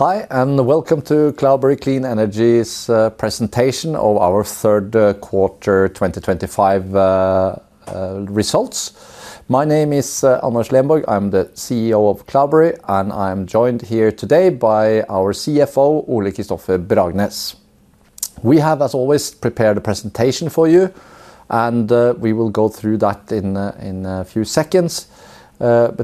Hi, and welcome to Cloudberry Clean Energy's presentation of our third quarter 2025 results. My name is Anders Lenborg. I'm the CEO of Cloudberry, and I'm joined here today by our CFO, Ole-Kristofer Bragnes. We have, as always, prepared a presentation for you, and we will go through that in a few seconds.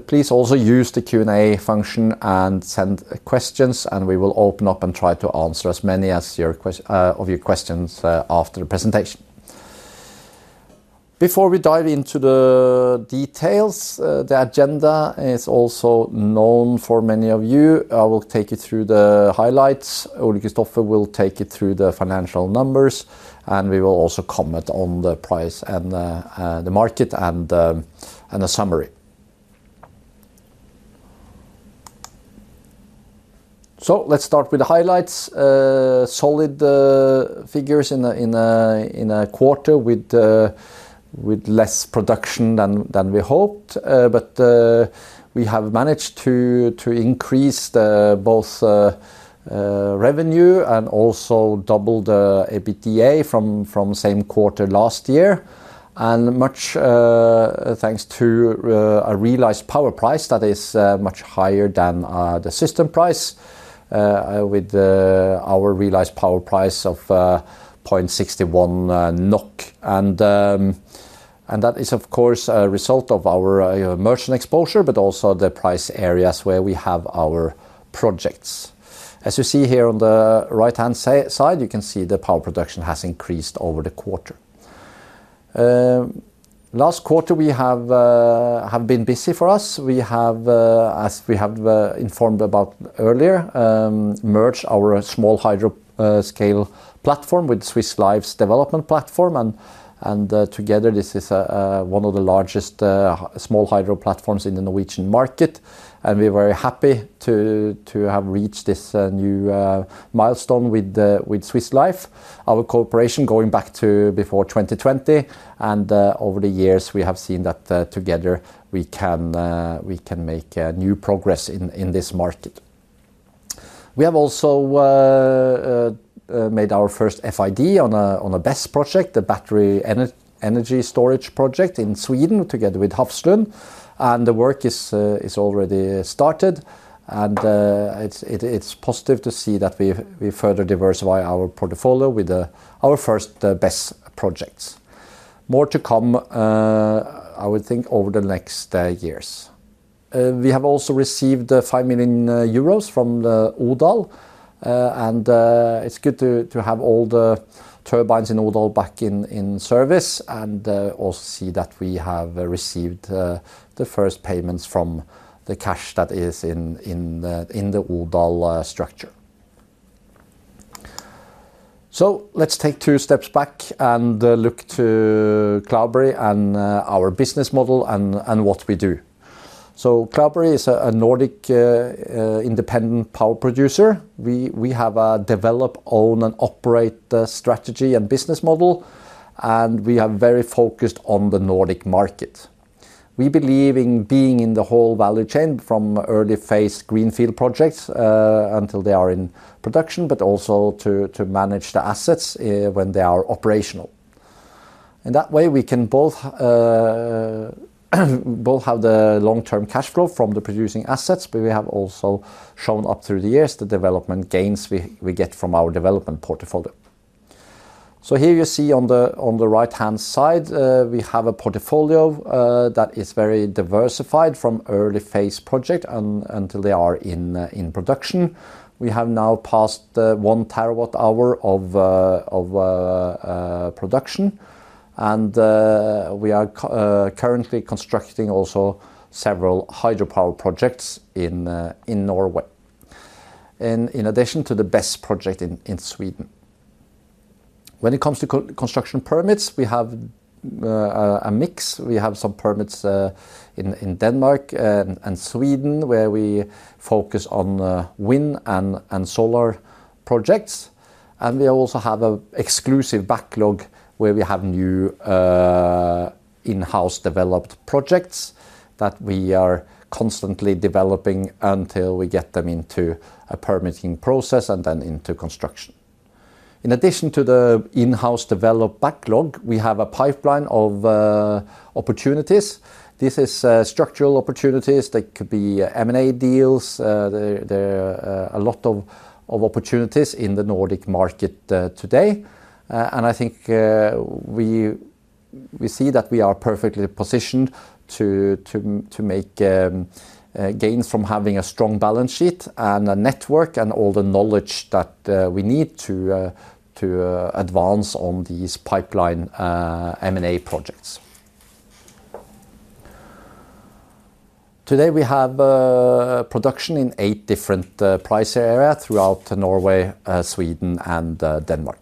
Please also use the Q&A function and send questions, and we will open up and try to answer as many of your questions after the presentation. Before we dive into the details, the agenda is also known for many of you. I will take you through the highlights. Ole-Kristofer will take you through the financial numbers, and we will also comment on the price and the market and a summary. Let's start with the highlights. Solid figures in a quarter with less production than we hoped, but we have managed to increase both revenue and also double the EBITDA from the same quarter last year, and much thanks to a realized power price that is much higher than the system price. With our realized power price of 0.61 NOK. That is, of course, a result of our merchant exposure, but also the price areas where we have our projects. As you see here on the right-hand side, you can see the power production has increased over the quarter. Last quarter has been busy for us. We have, as we have informed about earlier, merged our small hydro scale platform with Swiss Life's development platform. Together, this is one of the largest small hydro platforms in the Norwegian market. We're very happy to have reached this new milestone with Swiss Life, our cooperation going back to before 2020. Over the years, we have seen that together we can make new progress in this market. We have also made our first FID on a BESS project, the battery energy storage project in Sweden together with Hafslund. The work is already started. It's positive to see that we further diversify our portfolio with our first BESS projects. More to come, I would think, over the next years. We have also received 5 million euros from Odal. It's good to have all the turbines in Odal back in service and also see that we have received the first payments from the cash that is in the Odal structure. Let's take two steps back and look to Cloudberry and our business model and what we do. Cloudberry is a Nordic independent power producer. We have a develop, own, and operate strategy and business model, and we are very focused on the Nordic market. We believe in being in the whole value chain from early phase greenfield projects until they are in production, but also to manage the assets when they are operational. In that way, we can both. Have the long-term cash flow from the producing assets, but we have also shown up through the years the development gains we get from our development portfolio. Here you see on the right-hand side, we have a portfolio that is very diversified from early phase projects until they are in production. We have now passed 1 TWh of production, and we are currently constructing also several hydropower projects in Norway, in addition to the BESS project in Sweden. When it comes to construction permits, we have a mix. We have some permits in Denmark and Sweden where we focus on wind and solar projects. We also have an exclusive backlog where we have new in-house developed projects that we are constantly developing until we get them into a permitting process and then into construction. In addition to the in-house developed backlog, we have a pipeline of opportunities. This is structural opportunities. They could be M&A deals. There are a lot of opportunities in the Nordic market today. I think we see that we are perfectly positioned to make gains from having a strong balance sheet and a network and all the knowledge that we need to advance on these pipeline M&A projects. Today, we have production in eight different price areas throughout Norway, Sweden, and Denmark.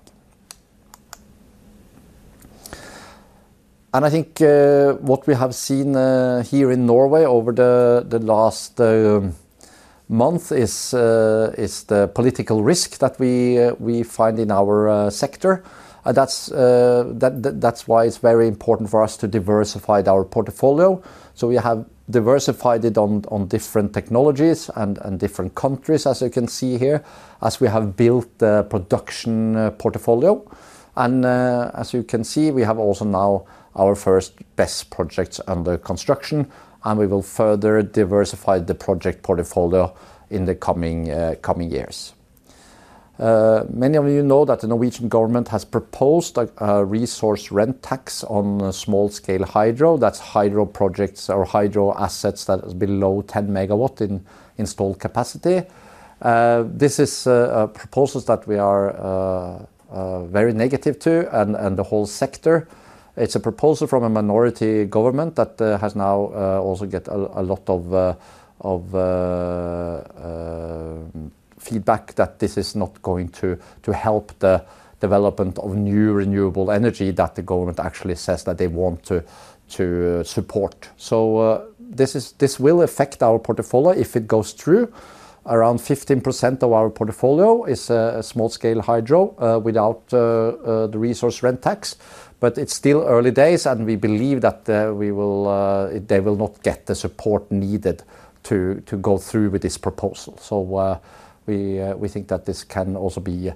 I think what we have seen here in Norway over the last month is the political risk that we find in our sector. That is why it is very important for us to diversify our portfolio. We have diversified it on different technologies and different countries, as you can see here, as we have built the production portfolio. As you can see, we have also now our first BESS projects under construction, and we will further diversify the project portfolio in the coming years. Many of you know that the Norwegian government has proposed a resource rent tax on small-scale hydro. That is hydro projects or hydro assets that are below 10 MW in installed capacity. This is a proposal that we are very negative to and the whole sector. It is a proposal from a minority government that has now also got a lot of feedback that this is not going to help the development of new renewable energy that the government actually says that they want to support. This will affect our portfolio if it goes through. Around 15% of our portfolio is small-scale hydro without the resource rent tax. It is still early days, and we believe that they will not get the support needed to go through with this proposal. We think that this can also be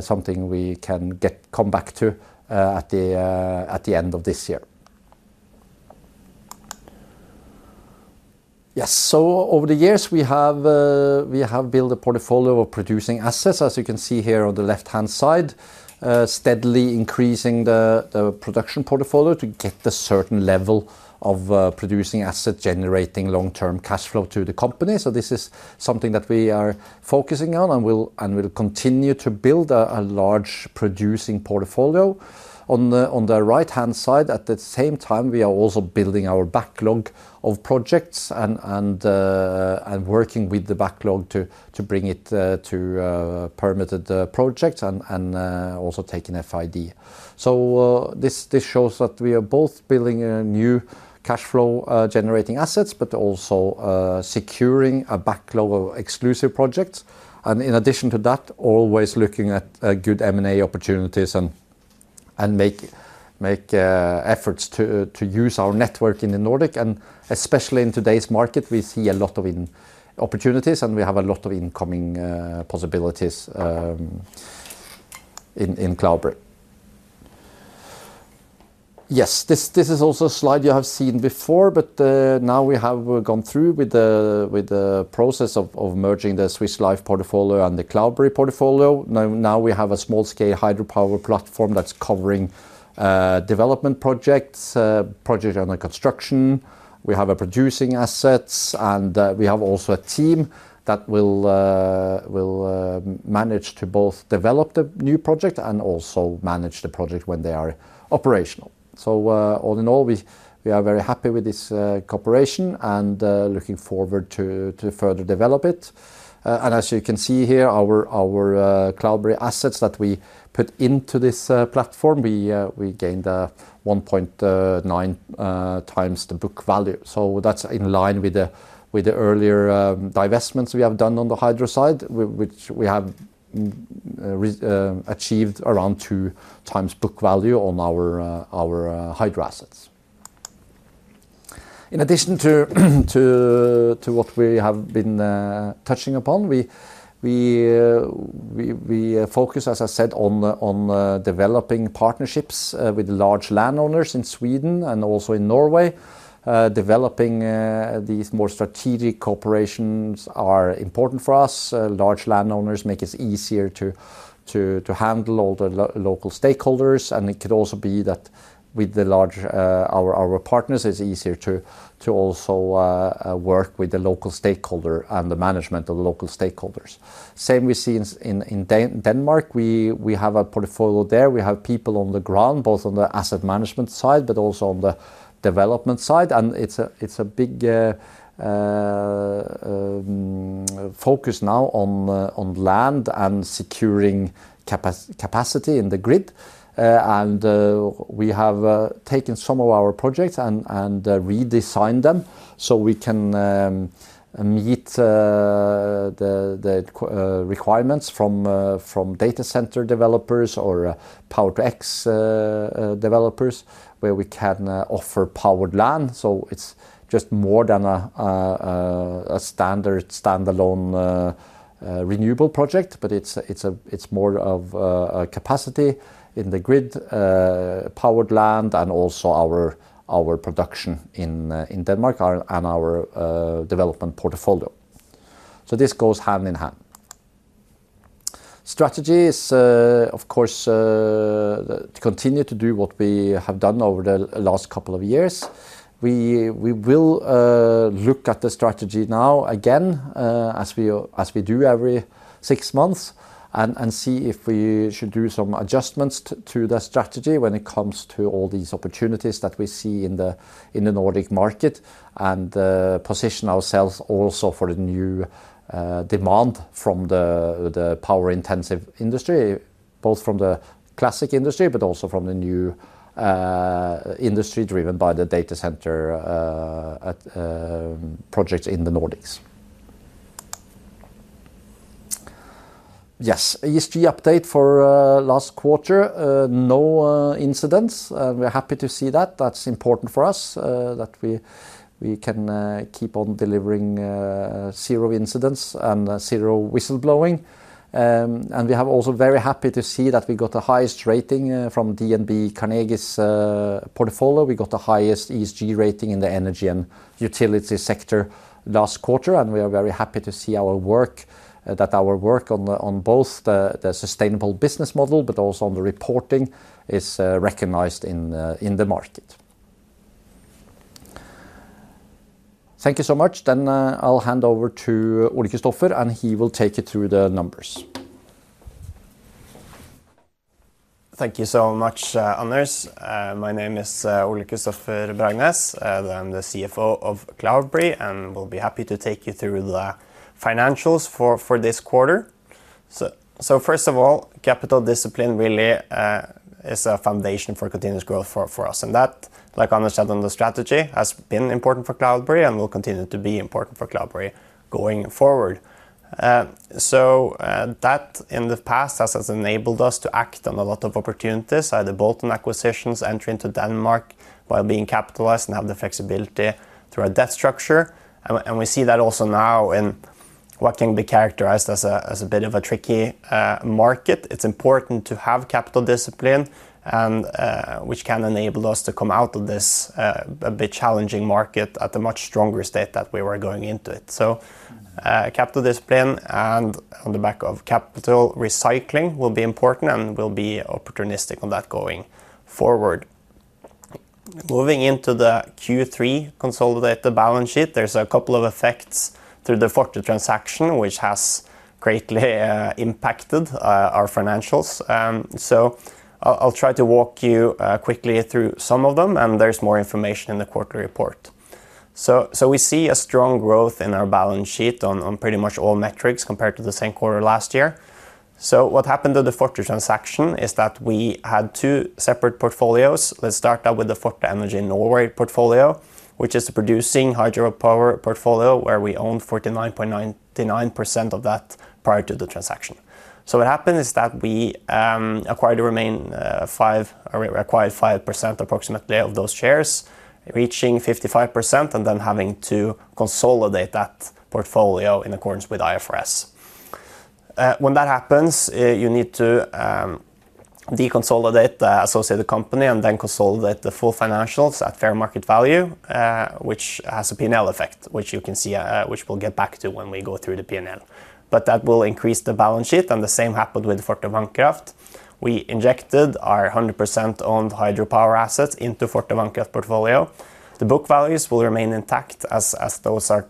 something we can come back to at the end of this year. Yes. Over the years, we have built a portfolio of producing assets, as you can see here on the left-hand side, steadily increasing the production portfolio to get the certain level of producing assets, generating long-term cash flow to the company. This is something that we are focusing on and will continue to build a large producing portfolio. On the right-hand side. At the same time, we are also building our backlog of projects and working with the backlog to bring it to permitted projects and also taking FID. This shows that we are both building new cash flow-generating assets, but also securing a backlog of exclusive projects. In addition to that, always looking at good M&A opportunities and making efforts to use our network in the Nordics. Especially in today's market, we see a lot of opportunities, and we have a lot of incoming possibilities in Cloudberry. Yes, this is also a slide you have seen before, but now we have gone through with the process of merging the Swiss Life portfolio and the Cloudberry portfolio. Now we have a small-scale hydropower platform that is covering development projects, projects under construction. We have producing assets, and we have also a team that will manage to both develop the new project and also manage the project when they are operational. All in all, we are very happy with this cooperation and looking forward to further develop it. As you can see here, our Cloudberry assets that we put into this platform, we gained 1.9x the book value. That is in line with the earlier divestments we have done on the hydro side, which we have achieved around 2x book value on our hydro assets. In addition to what we have been touching upon, we focus, as I said, on developing partnerships with large landowners in Sweden and also in Norway. Developing these more strategic cooperations is important for us. Large landowners make it easier to handle all the local stakeholders. It could also be that with our partners, it is easier to also work with the local stakeholder and the management of the local stakeholders. Same we see in Denmark. We have a portfolio there. We have people on the ground, both on the asset management side but also on the development side. It is a big focus now on land and securing capacity in the grid. We have taken some of our projects and redesigned them so we can meet the requirements from data center developers or Power-to-X developers where we can offer powered land. It is just more than a standard standalone renewable project, but it is more of a capacity in the grid, powered land, and also our production in Denmark and our development portfolio. This goes hand in hand. Strategy is, of course, to continue to do what we have done over the last couple of years. We will look at the strategy now again, as we do every six months, and see if we should do some adjustments to the strategy when it comes to all these opportunities that we see in the Nordic market and position ourselves also for the new. Demand from the power-intensive industry, both from the classic industry but also from the new. Industry driven by the data center. Projects in the Nordics. Yes. ESG update for last quarter. No incidents. We're happy to see that. That's important for us that we can keep on delivering. Zero incidents and zero whistleblowing. We are also very happy to see that we got the highest rating from DNB Carnegie's portfolio. We got the highest ESG rating in the energy and utility sector last quarter. We are very happy to see our work. That our work on both the sustainable business model but also on the reporting is recognized in the market. Thank you so much. I'll hand over to Ole-Kristofer, and he will take you through the numbers. Thank you so much, Anders. My name is Ole-Kristofer Bragnes. I'm the CFO of Cloudberry and will be happy to take you through the financials for this quarter. First of all, capital discipline really is a foundation for continuous growth for us. That, like Anders said, on the strategy has been important for Cloudberry and will continue to be important for Cloudberry going forward. That in the past has enabled us to act on a lot of opportunities, either bolt-on acquisitions, entry into Denmark while being capitalized, and have the flexibility through our debt structure. We see that also now in what can be characterized as a bit of a tricky market. It's important to have capital discipline, which can enable us to come out of this a bit challenging market at a much stronger state than we were going into it. Capital discipline and on the back of capital recycling will be important and will be opportunistic on that going forward. Moving into the Q3 consolidated balance sheet, there's a couple of effects through the Forte transaction, which has greatly impacted our financials. I'll try to walk you quickly through some of them, and there's more information in the quarterly report. We see a strong growth in our balance sheet on pretty much all metrics compared to the same quarter last year. What happened to the Forte transaction is that we had two separate portfolios. Let's start out with the Forte Energy Norway portfolio, which is the producing hydropower portfolio where we owned 49.99% of that prior to the transaction. What happened is that we acquired approximately 5% of those shares, reaching 55%, and then having to consolidate that portfolio in accordance with IFRS. When that happens, you need to deconsolidate the associated company and then consolidate the full financials at fair market value, which has a P&L effect, which you can see, which we'll get back to when we go through the P&L. That will increase the balance sheet. The same happened with Forte Vannkraft. We injected our 100% owned hydropower assets into Forte Vannkraft portfolio. The book values will remain intact as those will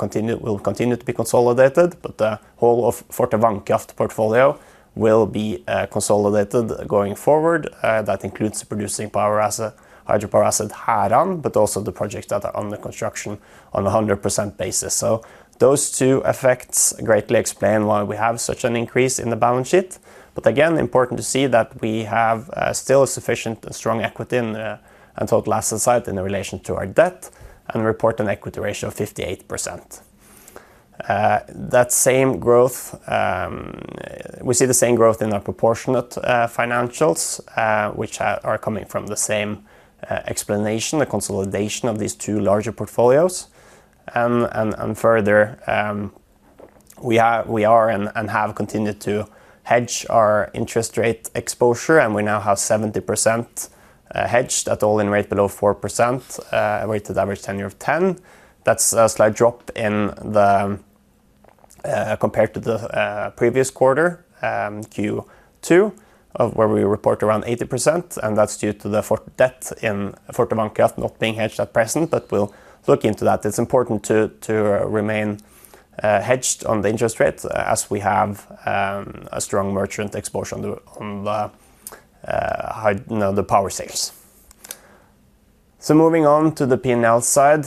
continue to be consolidated, but the whole of Forte Vannkraft portfolio will be consolidated going forward. That includes the producing hydropower asset Herand, but also the projects that are under construction on a 100% basis. Those two effects greatly explain why we have such an increase in the balance sheet. Again, important to see that we have still a sufficient and strong equity and total asset side in relation to our debt and report an equity ratio of 58%. That same growth. We see the same growth in our proportionate financials, which are coming from the same explanation, the consolidation of these two larger portfolios. Further, we are and have continued to hedge our interest rate exposure, and we now have 70% hedged at all-in rate below 4%, a weighted average tenor of 10. That's a slight drop compared to the previous quarter, Q2, where we report around 80%. That's due to the debt in Forte Vannkraft not being hedged at present, but we'll look into that. It's important to remain hedged on the interest rate as we have a strong merchant exposure on the power sales. Moving on to the P&L side.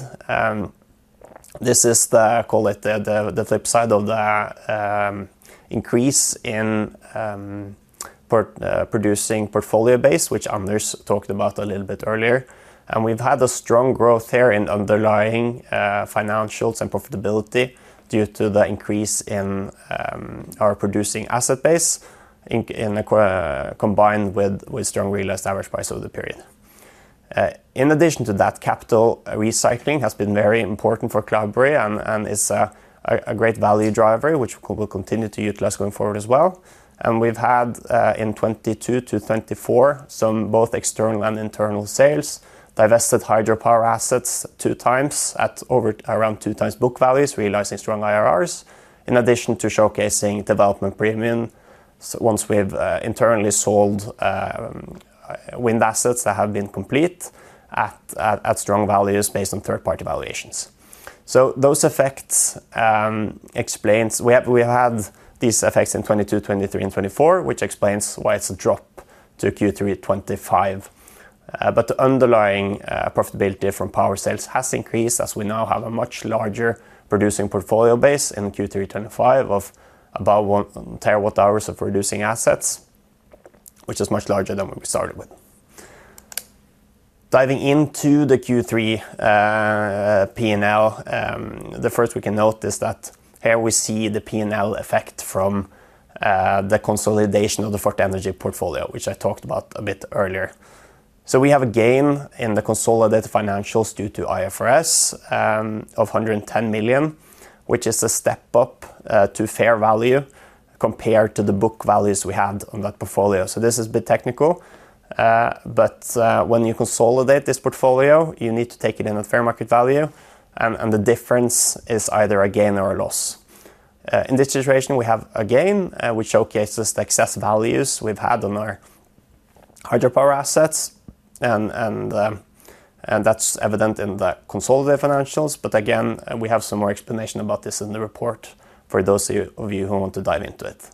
This is the, call it the flip side of the increase in producing portfolio base, which Anders talked about a little bit earlier. We've had a strong growth here in underlying financials and profitability due to the increase in our producing asset base combined with strong realized average price over the period. In addition to that, capital recycling has been very important for Cloudberry and is a great value driver, which we'll continue to utilize going forward as well. We've had in 2022 to 2024 some both external and internal sales, divested hydropower assets 2x at around 2x book values, realizing strong IRRs, in addition to showcasing development premium once we've internally sold wind assets that have been complete at strong values based on third-party valuations. Those effects explain we have had these effects in 2022, 2023, and 2024, which explains why it's a drop to Q3 2025. The underlying profitability from power sales has increased as we now have a much larger producing portfolio base in Q3 2025 of about 1 TWh of producing assets, which is much larger than when we started with. Diving into the Q3 P&L. The first we can note is that here we see the P&L effect from the consolidation of the Forte Energy portfolio, which I talked about a bit earlier. We have a gain in the consolidated financials due to IFRS of 110 million, which is a step up to fair value compared to the book values we had on that portfolio. This is a bit technical, but when you consolidate this portfolio, you need to take it in at fair market value, and the difference is either a gain or a loss. In this situation, we have a gain which showcases the excess values we've had on our hydropower assets. And that's evident in the consolidated financials. But again, we have some more explanation about this in the report for those of you who want to dive into it.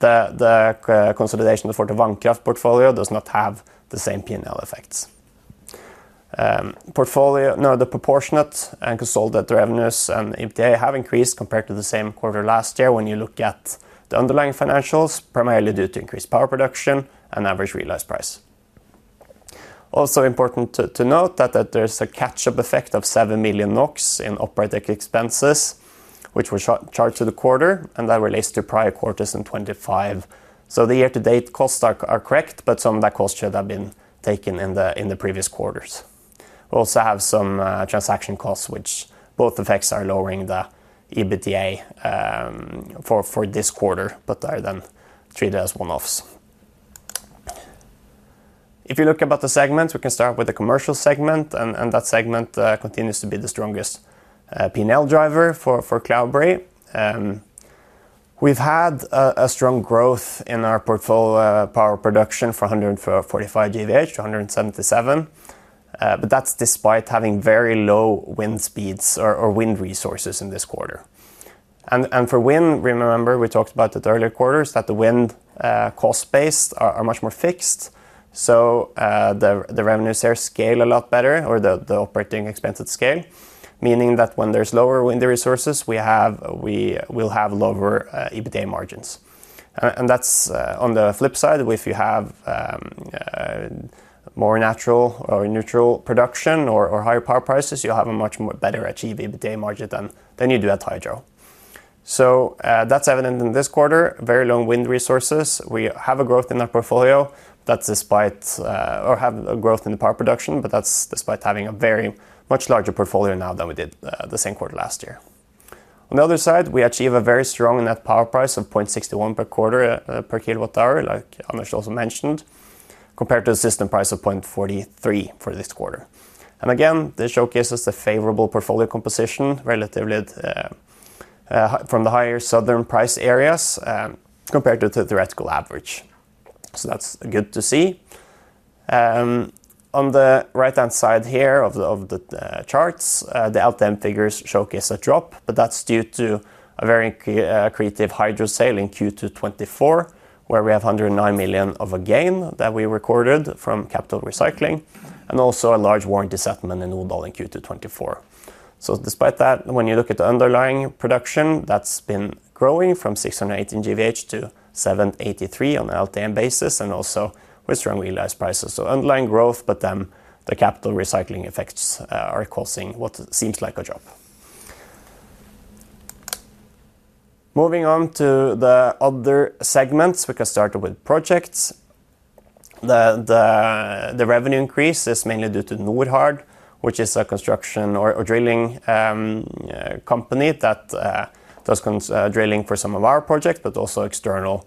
The consolidation of the Forte Vannkraft portfolio does not have the same P&L effects. No, the proportionate and consolidated revenues and EBITDA have increased compared to the same quarter last year when you look at the underlying financials, primarily due to increased power production and average realized price. Also important to note that there's a catch-up effect of 7 million NOK in operating expenses, which were charged to the quarter, and that relates to prior quarters in 2025. So the year-to-date costs are correct, but some of that cost should have been taken in the previous quarters. We also have some transaction costs, which both effects are lowering the EBITDA for this quarter, but are then treated as one-offs. If you look about the segments, we can start with the commercial segment, and that segment continues to be the strongest P&L driver for Cloudberry. We've had a strong growth in our portfolio power production for 145 GWh to 177 GWh. But that's despite having very low wind speeds or wind resources in this quarter. And for wind, remember, we talked about it earlier quarters, that the wind cost-based are much more fixed. So the revenues here scale a lot better, or the operating expenses scale, meaning that when there's lower wind resources, we will have lower EBITDA margins. And that's on the flip side. If you have more natural or neutral production or higher power prices, you'll have a much better achieved EBITDA margin than you do at hydro. So that's evident in this quarter. Very long wind resources. We have a growth in our portfolio. That's despite, or have a growth in the power production, but that's despite having a very much larger portfolio now than we did the same quarter last year. On the other side, we achieve a very strong net power price of 0.61 per kWh, like Anders also mentioned, compared to a system price of 0.43 for this quarter. And again, this showcases the favorable portfolio composition relatively from the higher southern price areas compared to theoretical average. So that's good to see. On the right-hand side here of the charts, the LTM figures showcase a drop, but that's due to a very creative hydro sale in Q2 2024, where we have 109 million of a gain that we recorded from capital recycling and also a large warranty settlement in Odal in Q2 2024. So despite that, when you look at the underlying production, that's been growing from 618 GWh to 783 GWh on an LTM basis and also with strong realized prices. So underlying growth, but then the capital recycling effects are causing what seems like a drop. Moving on to the other segments, we can start with projects. The revenue increase is mainly due to Norhard, which is a construction or drilling company that does drilling for some of our projects, but also external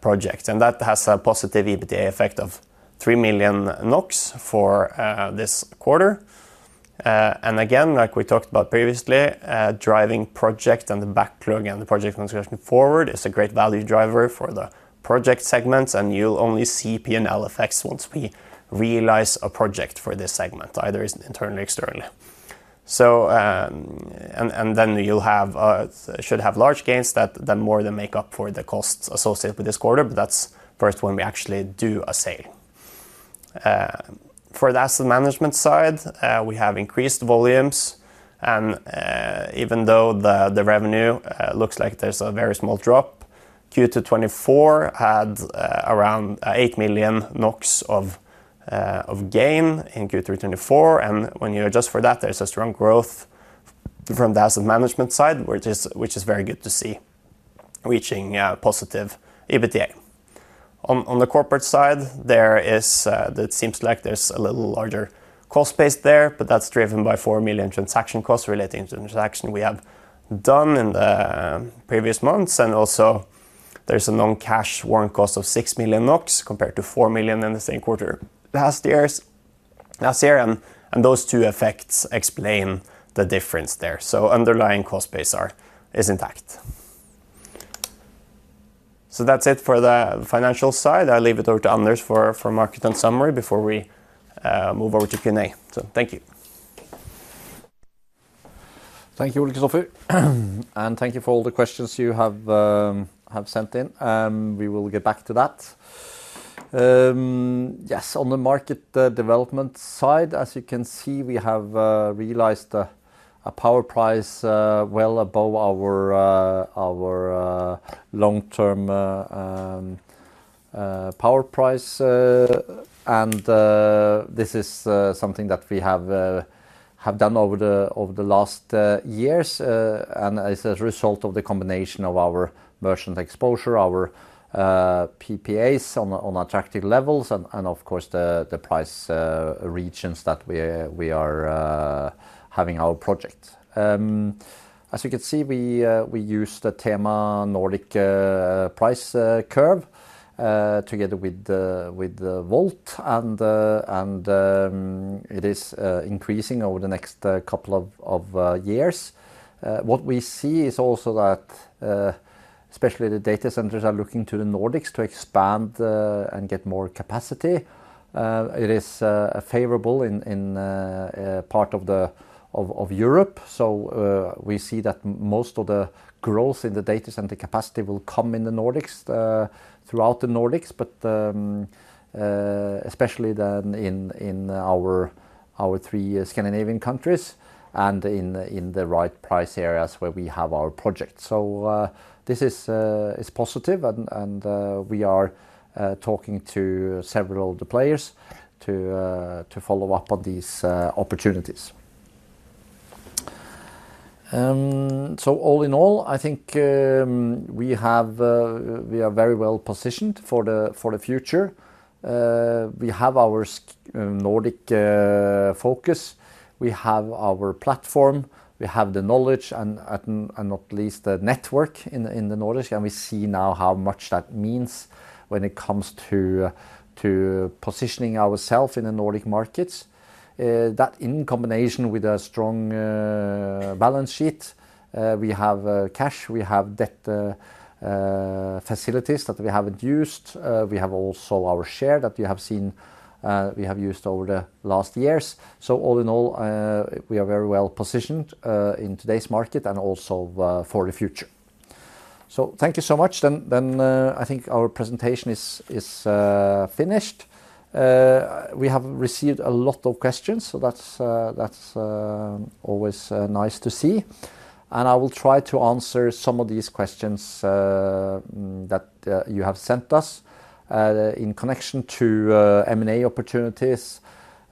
projects. That has a positive EBITDA effect of 3 million NOK for this quarter. Again, like we talked about previously, driving project and the backlog and the project transaction forward is a great value driver for the project segments. You will only see P&L effects once we realize a project for this segment, either internally or externally. You should have large gains that more than make up for the costs associated with this quarter, but that is first when we actually do a sale. For the asset management side, we have increased volumes. Even though the revenue looks like there is a very small drop, Q2 2024 had around 8 million NOK of gain in Q2 2024. When you adjust for that, there is a strong growth from the asset management side, which is very good to see, reaching positive EBITDA. On the corporate side, there seems like there is a little larger cost base there, but that is driven by 4 million transaction costs relating to the transaction we have done in the previous months. Also, there is a non-cash warrant cost of 6 million NOK compared to 4 million in the same quarter last year. Those two effects explain the difference there. Underlying cost base is intact. That is it for the financial side. I will leave it over to Anders for market and summary before we move over to Q&A. Thank you. Thank you, Ole-Kristofer. Thank you for all the questions you have sent in. We will get back to that. Yes, on the market development side, as you can see, we have realized a power price well above our long-term power price. This is something that we have done over the last years. It is a result of the combination of our merchant exposure, our PPAs on attractive levels, and of course, the price regions that we are having our project. As you can see, we used the TEMA Nordic price curve together with VOLT, and it is increasing over the next couple of years. What we see is also that especially the data centers are looking to the Nordics to expand and get more capacity. It is favorable in part of Europe. We see that most of the growth in the data center capacity will come in the Nordics, throughout the Nordics, but especially then in our three Scandinavian countries and in the right price areas where we have our projects. This is positive, and we are talking to several of the players to follow up on these opportunities. All in all, I think we are very well positioned for the future. We have our Nordic focus. We have our platform. We have the knowledge, and not least the network in the Nordics. We see now how much that means when it comes to positioning ourselves in the Nordic markets. That in combination with a strong balance sheet, we have cash, we have debt facilities that we have not used. We have also our share that you have seen we have used over the last years. All in all, we are very well positioned in today's market and also for the future. Thank you so much. I think our presentation is finished. We have received a lot of questions, so that is always nice to see. I will try to answer some of these questions that you have sent us in connection to M&A opportunities,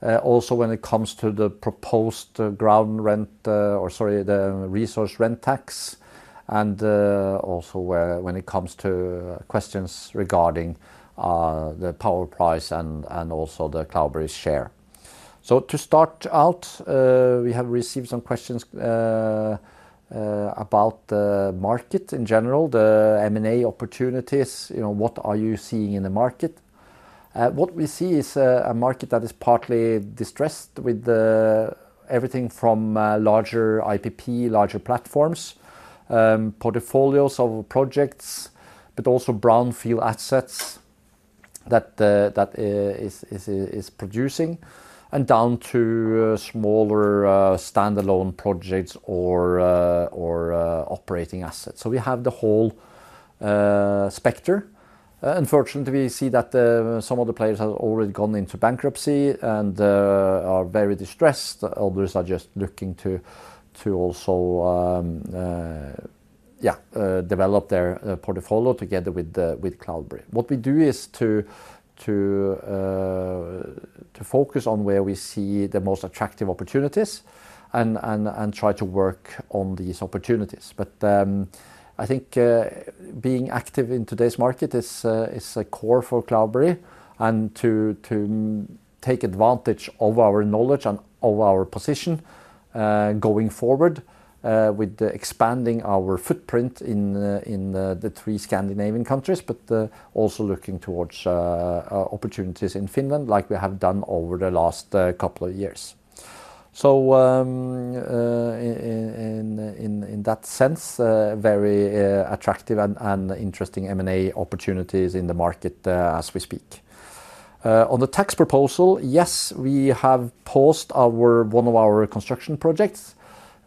also when it comes to the proposed ground rent or, sorry, the resource rent tax, and also when it comes to questions regarding the power price and also the Cloudberry share. To start out, we have received some questions about the market in general, the M&A opportunities. What are you seeing in the market? What we see is a market that is partly distressed with everything from larger IPP, larger platforms, portfolios of projects, but also brownfield assets that are producing, and down to smaller standalone projects or operating assets. We have the whole specter. Unfortunately, we see that some of the players have already gone into bankruptcy and are very distressed. Others are just looking to also develop their portfolio together with Cloudberry. What we do is to focus on where we see the most attractive opportunities and try to work on these opportunities. I think being active in today's market is a core for Cloudberry and to take advantage of our knowledge and of our position going forward with expanding our footprint in the three Scandinavian countries, but also looking towards opportunities in Finland like we have done over the last couple of years. In that sense, very attractive and interesting M&A opportunities in the market as we speak. On the tax proposal, yes, we have paused one of our construction projects.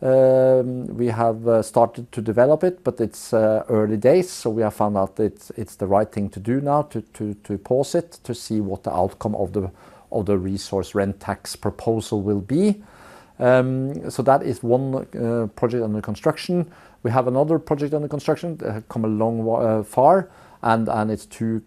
We have started to develop it, but it is early days. We have found out it is the right thing to do now to pause it to see what the outcome of the resource rent tax proposal will be. That is one project under construction. We have another project under construction that has come a long way, and it is too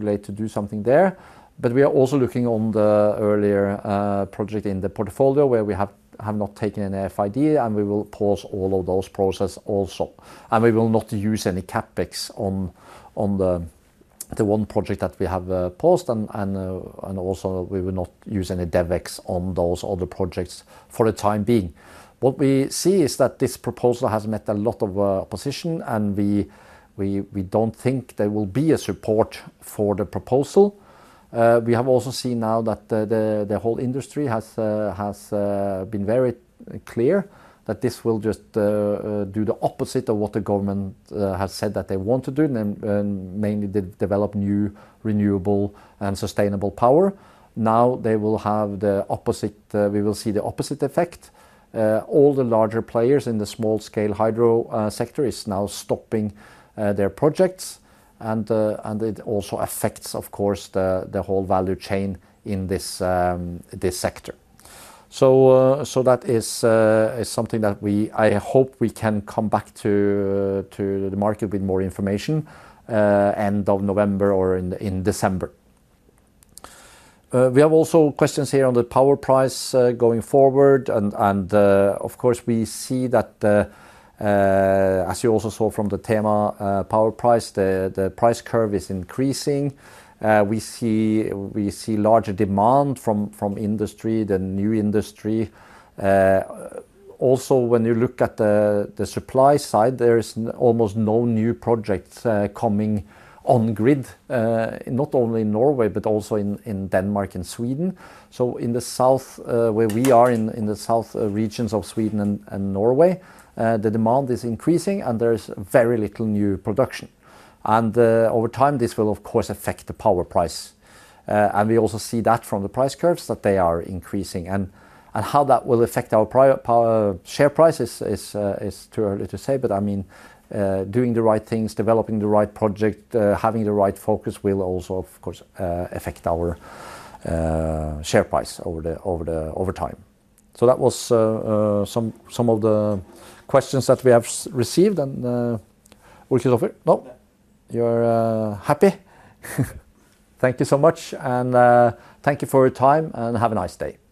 late to do something there. We are also looking on the earlier project in the portfolio where we have not taken an FID, and we will pause all of those processes also. We will not use any CapEx on the one project that we have paused. Also, we will not use any DevEx on those other projects for the time being. What we see is that this proposal has met a lot of opposition, and we. Don't think there will be a support for the proposal. We have also seen now that the whole industry has been very clear that this will just do the opposite of what the government has said that they want to do, mainly develop new renewable and sustainable power. Now they will have the opposite; we will see the opposite effect. All the larger players in the small-scale hydro sector are now stopping their projects. It also affects, of course, the whole value chain in this sector. That is something that I hope we can come back to the market with more information end of November or in December. We have also questions here on the power price going forward. Of course, we see that. As you also saw from the TEMA power price, the price curve is increasing. We see larger demand from industry, the new industry. Also, when you look at the supply side, there is almost no new projects coming on grid, not only in Norway, but also in Denmark and Sweden. In the south, where we are in the south regions of Sweden and Norway, the demand is increasing, and there is very little new production. Over time, this will, of course, affect the power price. We also see that from the price curves that they are increasing. How that will affect our share price is too early to say, but I mean, doing the right things, developing the right project, having the right focus will also, of course, affect our share price over time. That was some of the questions that we have received. Ole-Kristofer, no? You're happy? Thank you so much. Thank you for your time, and have a nice day.